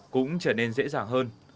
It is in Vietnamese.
cũng trở nên dễ dàng hơn